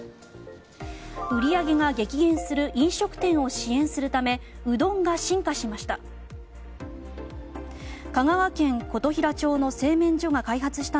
売り上げが激減する飲食店を支援するためうどんが進化しました。